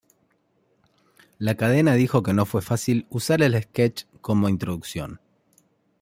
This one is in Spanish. La cadena dijo que no fue fácil usar el sketch como introducción.